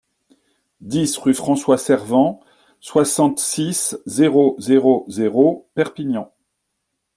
dix rue François Servent, soixante-six, zéro zéro zéro, Perpignan